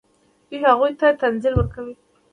دوی هغوی ته تنزل ورکوي.